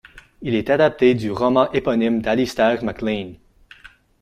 Il est adapté du roman éponyme d'Alistair MacLean.